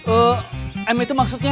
eh em itu maksudnya